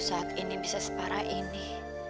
ada separa ini